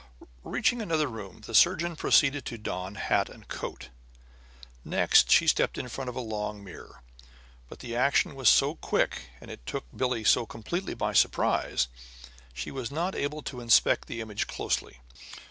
Reaching another room, the surgeon proceeded to don hat and coat. Next, she stepped in front of a long mirror; but the action was so quick, and it took Billie so completely by surprise, she was not able to inspect the image closely.